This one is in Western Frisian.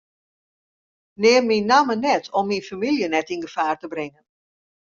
Neam myn namme net om myn famylje net yn gefaar te bringen.